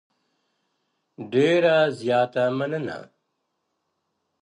ډېره زیاته مننه .